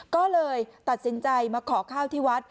ก็เลยตัดสินใจมาขอข้าวที่วัด